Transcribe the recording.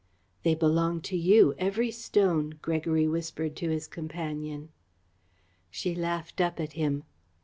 "They belong to you, every stone," Gregory whispered to his companion. She laughed up at him.